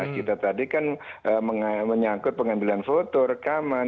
kita tadi kan menyangkut pengambilan foto rekaman